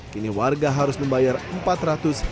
kini warga harus membayar empat ratus ribu rupiah